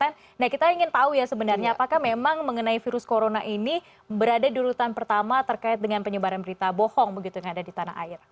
nah kita ingin tahu ya sebenarnya apakah memang mengenai virus corona ini berada di urutan pertama terkait dengan penyebaran berita bohong begitu yang ada di tanah air